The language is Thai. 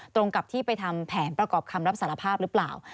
ตรงกับที่ไปทำแผนประกอบคำรับสารภาพหรือเปล่า